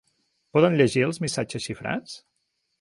Poden llegir els missatges xifrats?